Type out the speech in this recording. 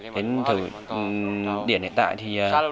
đến thời điển hiện tại thì đảng nhà nước